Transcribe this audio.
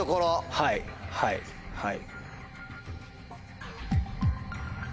はいはいはい。